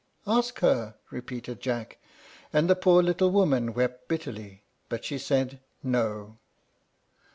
"Ask her," repeated Jack; and the poor little woman wept bitterly, but she said, "No."